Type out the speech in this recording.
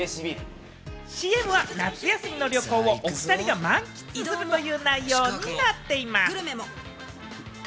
ＣＭは夏休みの旅行を、おふたりが満喫するという内容になっています。